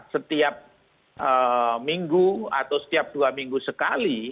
setiap minggu atau setiap dua minggu sekali